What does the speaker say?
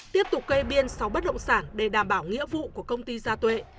tiếp tục cây biên sáu bất động sản để đảm bảo nghĩa vụ của công ty gia tuệ